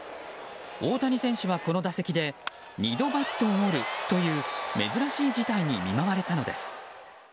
大谷選手はこの打席で２度バットを折るという珍しい事態に見舞われたのです。